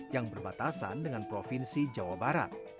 yang berbatasan dengan provinsi jawa barat